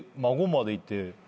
孫までいて。